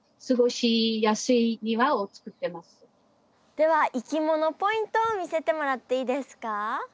ではいきものポイントを見せてもらっていいですか？